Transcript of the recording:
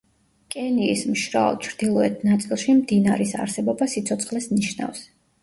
კენიის მშრალ, ჩრდილოეთ ნაწილში მდინარის არსებობა სიცოცხლეს ნიშნავს.